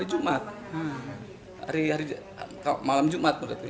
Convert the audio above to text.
lima hari hampir seminggu ya